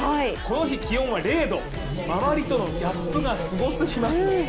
この日、気温は０度周りとのギャップがすごすぎます。